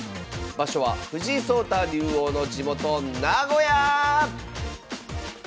場所は藤井聡太竜王の地元名古屋！